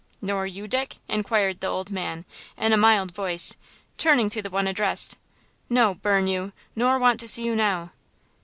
"Nor you, Dick?" inquired the old man, in a mild voice, turning to the one addressed. "No, burn you, nor want to see you now!"